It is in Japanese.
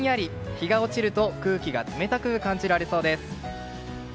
日が落ちると空気が冷たく感じられそうです。